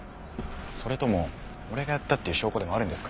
それとも俺がやったっていう証拠でもあるんですか？